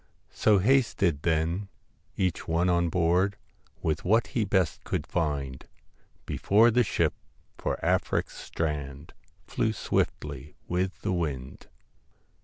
' So hasted then each one on board, With what he best could find, Before the ship for Afric's strand Flew swiftly with the wind.